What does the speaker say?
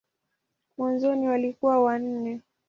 Mwanzoni walikuwa wanne.